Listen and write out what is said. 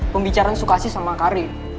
pembicaraan sukasi sama kari